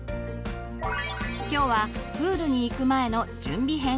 今日はプールに行く前の準備編。